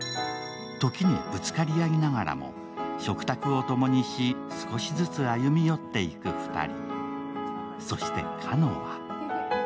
時にぶつかり合いながらも食卓を共にし少しずつ歩み寄っていく２人。